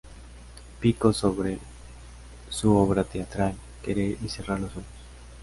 Pico sobre su obra teatral "Querer y cerrar los ojos".